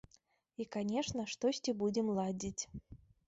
І канешне, штосьці будзем ладзіць.